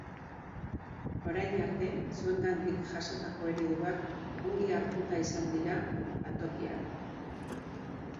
Orain arte zuengandik jasotako ereduak ongi hartuta izan dira lantokian.